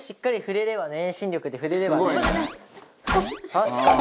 確かに。